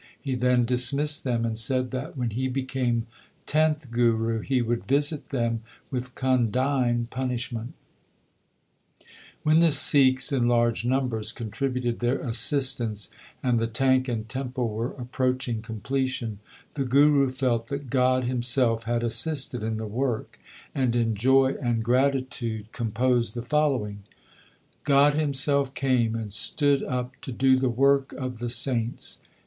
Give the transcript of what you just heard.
He then dismissed them, and said that, when he became tenth Guru, he would visit them with condign punishment. When the Sikhs in large numbers contributed their assistance, and the tank and temple were approaching completion, the Guru felt that God Himself had assisted in the work, and in joy and gratitude composed the following : God Himself came, and stood up to do the work of the saints.